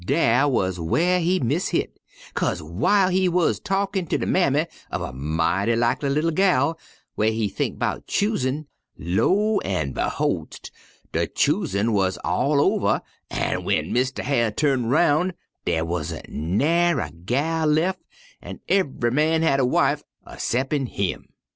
Dar wuz whar he miss hit, 'kase w'ile he wuz talkin' ter de mammy uv a mighty likely li'l gal whar he think 'bout choosin', lo an' beholst, de choosin' wuz all over, an' w'en Mistah Hyar' turnt roun' dar wan't nair' a gal lef', an' ev'y man have a wife asseptin' him.